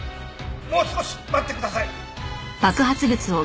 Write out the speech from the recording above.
もう少し待ってください！